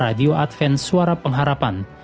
radio advent suara pengharapan